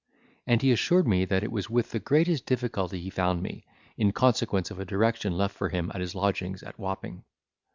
And he assured me that it was with the greatest difficulty he found me, in consequence of a direction left for him at his lodgings at Wapping.